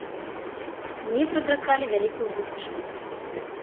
Мне прадракалі вялікую будучыню.